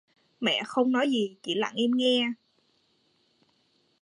Mẹ không nói gì chỉ lặng im nghe